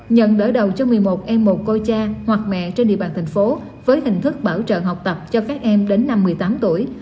nhận đỡ đầu cho một mươi một em một cô cha hoặc mẹ trên địa bàn thành phố với hình thức bảo trợ học tập cho các em đến năm một mươi tám tuổi